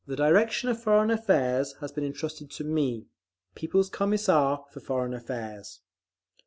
The direction of Foreign Affairs has been entrusted to me, People's Commissar for Foreign Affairs….